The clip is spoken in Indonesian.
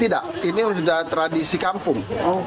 tidak ini sudah tradisi kampung